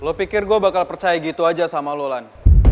lo pikir gue bakal percaya gitu aja sama lolan